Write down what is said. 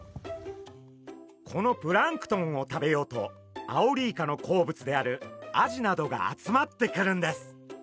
このプランクトンを食べようとアオリイカの好物であるアジなどが集まってくるんです。